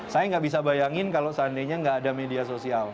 saya nggak bisa bayangin kalau seandainya nggak ada media sosial